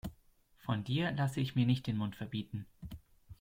Von dir lasse ich mir nicht den Mund verbieten.